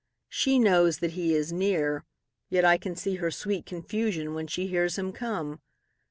She knows that he is near, yet I can seeHer sweet confusion when she hears him come.